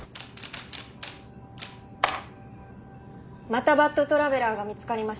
またバッドトラベラーが見つかりました。